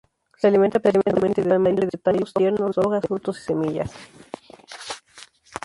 Se alimenta principalmente de tallos tiernos, hojas, frutos y semillas.